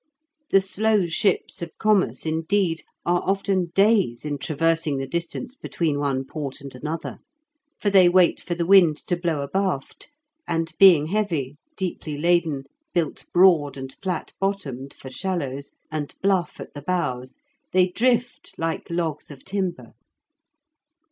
The slow ships of commerce, indeed, are often days in traversing the distance between one port and another, for they wait for the wind to blow abaft, and being heavy, deeply laden, built broad and flat bottomed for shallows, and bluff at the bows, they drift like logs of timber.